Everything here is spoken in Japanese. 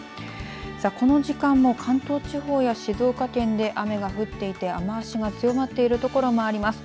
さあ、この時間も関東地方や静岡県で雨が降っていて雨足が強まっている所もあります。